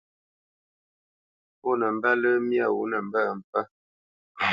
Pó nə mbə́ lə́ myâ wǒ nə mbə́ mpfə́.